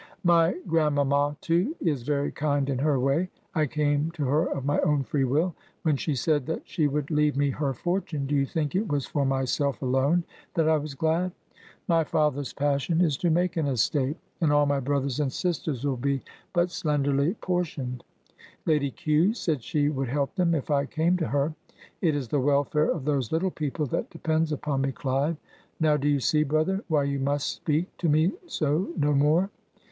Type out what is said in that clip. My grandmamma, too, is very kind in her way. I came to her of my own free will. When she said that she would leave me her fortime, do you think it was for myself alone that I was glad? My father's passion is to make an estate, and all my brothers and sisters 218 Digitized by VjOOQIC THACKERAY'S ETHEL NEWCOME will be but slenderly portioned. Lady Kew said she would help them if I came to her — it is the welfare of those little people that depends upon me, Clive. Now do you see, brother, why you must speak to me so no more?